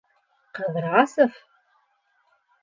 Ҡыҙрасов?!